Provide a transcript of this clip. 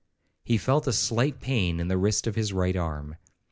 He felt a slight pain in the wrist of his right arm.